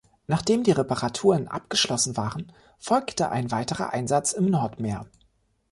Nachdem die Reparaturen abgeschlossen waren, folgte ein weiterer Einsatz im Nordmeer.